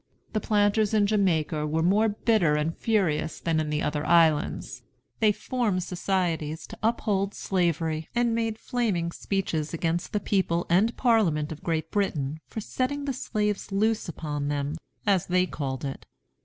The planters in Jamaica were more bitter and furious than in the other islands. They formed societies to uphold Slavery, and made flaming speeches against the people and Parliament of Great Britain for "setting the slaves loose upon them," as they called it.